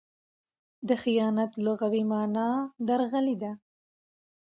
د خیانت لغوي مانا؛ درغلي ده.